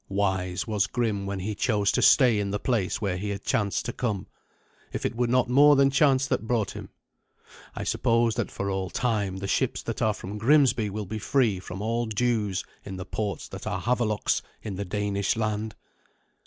Wise was Grim when he chose to stay in the place where he had chanced to come, if it were not more than chance that brought him. I suppose that for all time the ships that are from Grimsby will be free from all dues in the ports that are Havelok's in the Danish land.